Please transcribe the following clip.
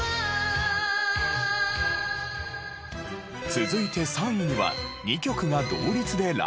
続いて３位は２曲が同率でランクイン。